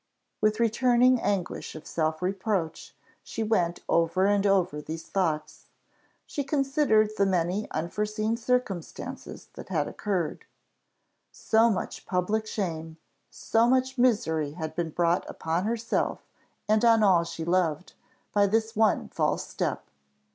With returning anguish of self reproach, she went over and over these thoughts; she considered the many unforeseen circumstances that had occurred. So much public shame, so much misery had been brought upon herself and on all she loved, by this one false step!